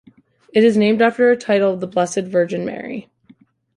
It is named after a title of the Blessed Virgin Mary.